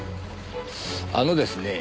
あのですねぇ